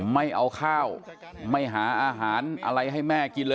ไม่เอาข้าวไม่หาอาหารอะไรให้แม่กินเลย